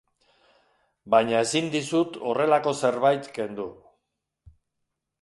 Baina ezin dizut horrelako zerbait kendu.